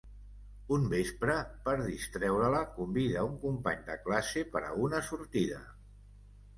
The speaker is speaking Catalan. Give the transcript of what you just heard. Un vespre, per distreure-la, convida un company de classe per a una sortida.